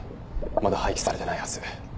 まだ廃棄されてないはず。